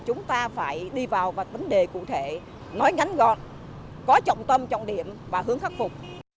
chúng ta phải đi vào vật vấn đề cụ thể nói ngắn gọn có trọng tâm trọng điểm và hướng khắc phục